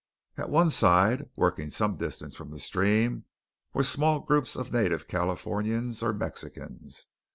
At one side working some distance from the stream were small groups of native Californians or Mexicans.